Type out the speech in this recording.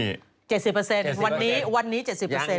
๗๐เปอร์เซ็นต์วันนี้๗๐เปอร์เซ็นต์